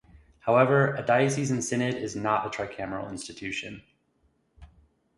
However, a Diocesan Synod is not a tricameral institution.